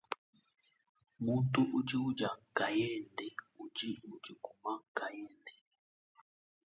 Muntu udi udia nkayende udi udikuma nkayende.